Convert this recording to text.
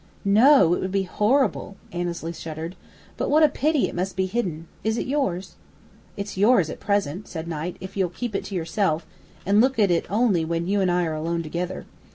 "No, it would be horrible!" Annesley shuddered. "But what a pity it must be hidden. Is it yours?" "It's yours at present," said Knight, "if you'll keep it to yourself, and look at it only when you and I are alone together.